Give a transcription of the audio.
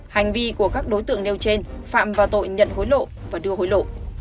hành vi của các đối tượng nêu trên phạm vào tội nhận hối lộ và đưa hối lộ